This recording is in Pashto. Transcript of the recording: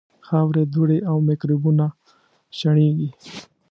خاورې، دوړې او میکروبونه چاڼېږي.